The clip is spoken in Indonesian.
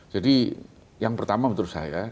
jadi yang pertama menurut saya